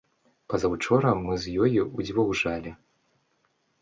Пазаўчора мы з ёю ўдзвюх жалі.